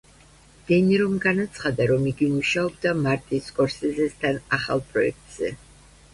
დე ნირომ განაცხადა, რომ იგი მუშაობდა მარტინ სკორსეზესთან ახალ პროექტზე.